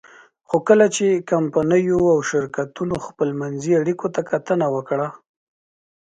خو کله چې کمپنیو او شرکتونو خپلمنځي اړیکو ته کتنه وکړه.